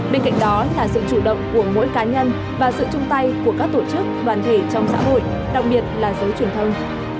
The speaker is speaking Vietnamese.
bên cạnh đó là sự chủ động của mỗi cá nhân và sự chung tay của các tổ chức đoàn thể trong xã hội đặc biệt là giới truyền thông